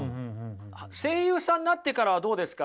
声優さんになってからはどうですか？